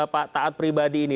pak taat pribadi ini